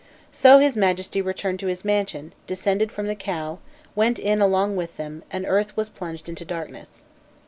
So his Majesty returned to his mansion, descended from the cow, went in along with them, and earth was plunged into darkness.